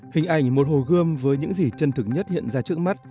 hình ảnh một hồ gươm với những gì chân thực nhất hiện ra trước mắt